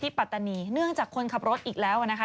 ปัตตานีเนื่องจากคนขับรถอีกแล้วนะคะ